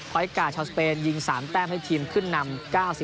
กาดชาวสเปนยิง๓แต้มให้ทีมขึ้นนำ๙๔